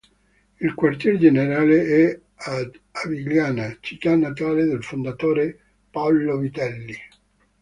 Il quartier generale è ad Avigliana, città natale del fondatore Paolo Vitelli.